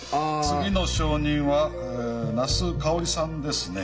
次の証人はえ茄子佳織さんですね？